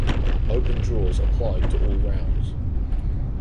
Open draws applied to all rounds.